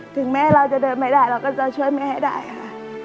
ถึงแม้เราจะเดินไม่ได้เราก็จะช่วยแม่ให้ได้ค่ะ